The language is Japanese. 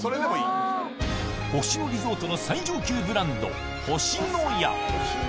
星野リゾートの最上級ブランド「星のや」